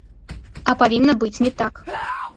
А павінна быць не так!